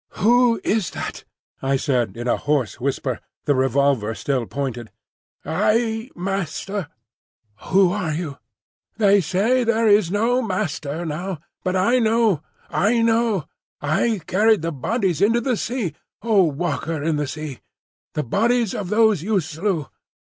"Who is that?" I said in a hoarse whisper, the revolver still pointed. "I—Master." "Who are you?" "They say there is no Master now. But I know, I know. I carried the bodies into the sea, O Walker in the Sea! the bodies of those you slew.